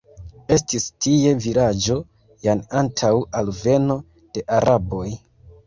Estis tie vilaĝo jan antaŭ alveno de araboj.